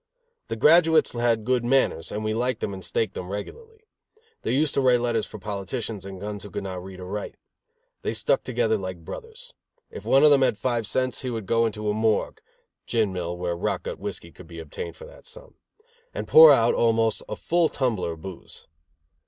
The graduates had good manners, and we liked them and staked them regularly. They used to write letters for politicians and guns who could not read or write. They stuck together like brothers. If one of them had five cents, he would go into a morgue (gin mill where rot gut whiskey could be obtained for that sum) and pour out almost a full tumbler of booze.